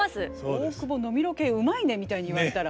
「大久保飲みロケうまいね」みたいに言われたら。